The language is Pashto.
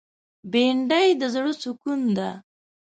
بېنډۍ د زړه سکون ده